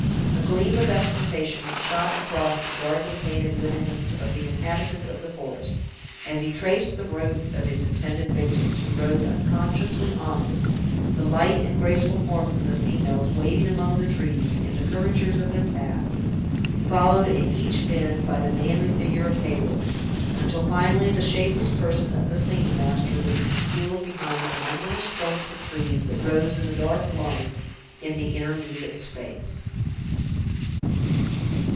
A gleam of exultation shot across the darkly painted lineaments of the inhabitant of the forest, as he traced the route of his intended victims, who rode unconsciously onward, the light and graceful forms of the females waving among the trees, in the curvatures of their path, followed at each bend by the manly figure of Heyward, until, finally, the shapeless person of the singing master was concealed behind the numberless trunks of trees, that rose, in dark lines, in the intermediate space.